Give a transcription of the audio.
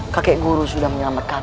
kakek guru sudah menyelamatkan